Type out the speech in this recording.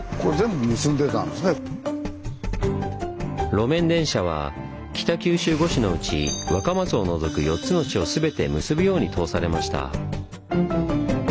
路面電車は北九州五市のうち若松を除く４つの市を全て結ぶように通されました。